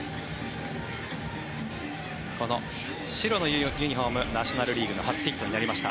この白のユニホームナショナル・リーグの初ヒットになりました。